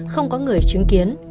không có người chứng kiến